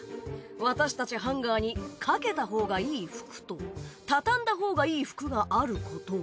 私たちハンガーにかけたほうがいい服とたたんだほうがいい服があることを。